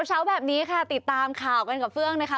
เช้าแบบนี้ค่ะติดตามข่าวกันกับเฟื่องนะคะ